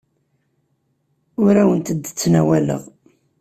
Ur awent-d-ttnawaleɣ.